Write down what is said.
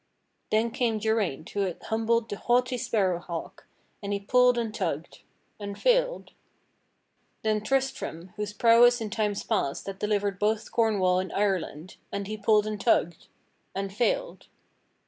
Then came Geraint who had humbled 96 THE STORY OF KING ARTHUR the haughty Sparrow Hawk, and he pulled and tugged — and failed. Then Tristram whose prowess in times past had delivered both Corn wall and Ireland, and he pulled and tugged — and failed.